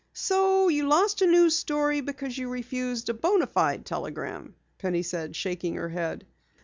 "So you lost a news story because you refused a bona fide telegram," Penny said, shaking her head.